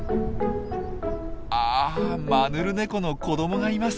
あマヌルネコの子どもがいます。